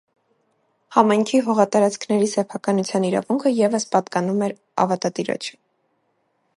Համայնքի հողատարածքների սեփականության իրավունքը ևս պատկանում էր ավատատիրոջը։